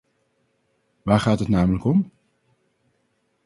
Waar gaat het namelijk om?